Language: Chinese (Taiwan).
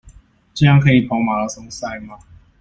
這樣可以跑馬拉松賽嗎？